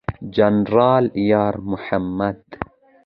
جنرال یار محمد